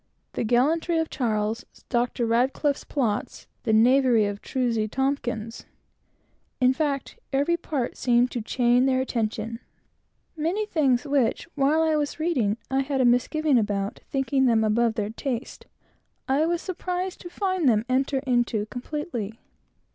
The gallantry of Charles, Dr. Radcliffe's plots, the knavery of "trusty Tompkins," in fact, every part seemed to chain their attention. Many things which, while I was reading, I had a misgiving about, thinking them above their capacity, I was surprised to find them enter into completely.